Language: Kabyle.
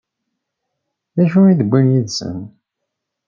D acu i d-wwin yid-sen?